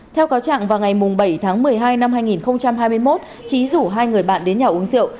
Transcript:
theo cáo trạng vào ngày bảy tháng một mươi hai năm hai nghìn hai mươi một trí rủ hai người bạn đến nhà uống rượu